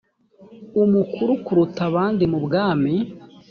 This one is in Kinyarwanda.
umukuru kuruta abandi mu bwami